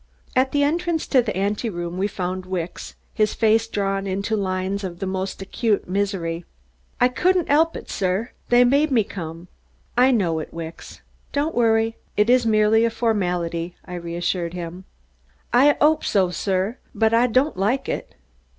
At the entrance to the anteroom we found Wicks, his face drawn into lines of the most acute misery. "I couldn't 'elp it, sir. They made me come." "I know it, Wicks. Don't worry! It's a mere formality," I reassured him. "I 'ope so, sir, but I don't like it."